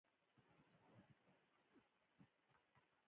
باسواده نجونې د بې وزلو لاسنیوی کوي.